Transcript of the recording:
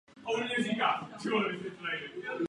Přesné údaje o počtu padlých jsou dodnes předmětem diskuzí.